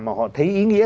mà họ thấy ý nghĩa